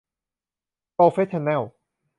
โปรเฟสชั่นแนล